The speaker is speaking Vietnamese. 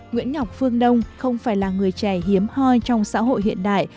nguyễn ngọc phương đông không phải là người trẻ hiếm hoi trong xã hội hiện đại